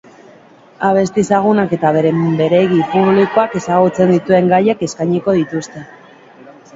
Abesti ezagunak eta beren-beregi publikoak ezagutzen dituen gaiak eskainiko dituzte.